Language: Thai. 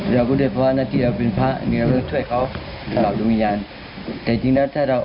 ทุกอย่างคิดการมันถูกหัวปกตินะ